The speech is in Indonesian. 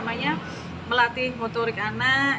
jadi untuk melatih motorik anak